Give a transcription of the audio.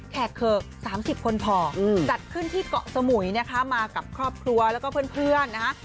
แขกเคิก๓๐คนพอจัดขึ้นที่เกาะสมุยนะคะมากับครอบครัวแล้วก็เพื่อนนะคะ